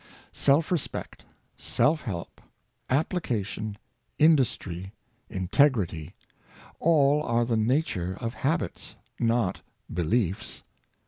Self respect, self help, application, industry, integrity — all are of the nature of habits, not beliefs.